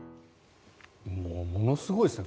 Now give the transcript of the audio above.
ものすごいですね。